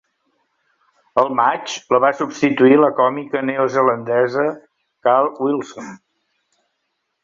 Al maig, la va substituir la còmica neozelandesa Cal Wilson.